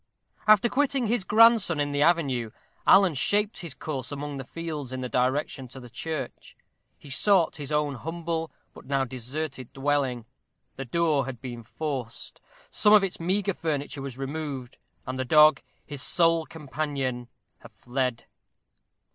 After quitting his grandson in the avenue, Alan shaped his course among the fields in the direction to the church. He sought his own humble, but now deserted dwelling. The door had been forced; some of its meagre furniture was removed; and the dog, his sole companion, had fled.